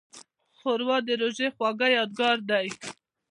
ښوروا د روژې خوږه یادګار ده.